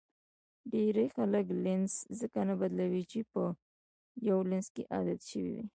ډېری خلک لینز ځکه نه بدلوي چې په یو لینز کې عادت شوي وي.